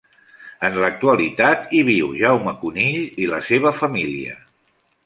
En l'actualitat hi viu Jaume Conill i la seva família.